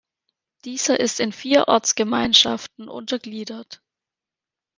Dieser ist in vier Ortsgemeinschaften untergliedert.